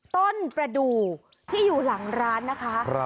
ประดูกที่อยู่หลังร้านนะคะ